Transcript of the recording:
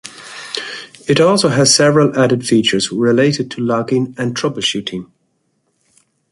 It also has several added features related to logging and troubleshooting.